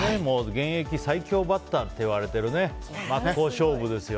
現役最強バッターって言われている相手と真っ向勝負ですよ。